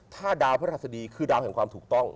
ถ้าดาวพระราชดีคือดาวแห่งความถูกต้อง